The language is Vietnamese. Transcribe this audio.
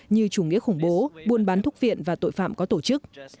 như chủ nghĩa khủng bố buôn bán thuốc viện và tội phạm có tổ chức